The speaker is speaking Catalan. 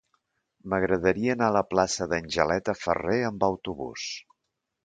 M'agradaria anar a la plaça d'Angeleta Ferrer amb autobús.